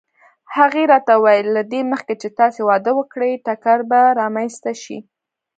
هغې راته وویل: له دې مخکې چې تاسې واده وکړئ ټکر به رامنځته شي.